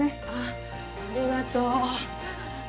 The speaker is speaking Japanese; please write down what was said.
あぁありがとう。